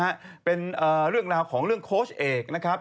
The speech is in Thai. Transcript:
แต่มันเป็นอีกอ่ะเรื่องครูเอ็กซ์นะครับ